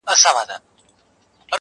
كومه پېغله به غرمه د ميوند سره كي-